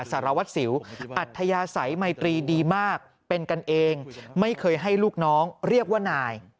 สารวัตรสิวอัธยาศัยไมตรีดีมากเป็นกันเองไม่เคยให้ลูกน้องเรียกว่านาย